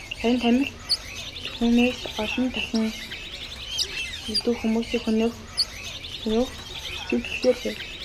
Харин тамхи түүнээс ч олон дахин илүү хүмүүсийг хөнөөн сүйтгэсээр байна.